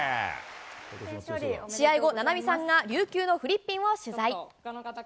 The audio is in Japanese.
試合後、菜波さんが琉球のフリッピンを取材。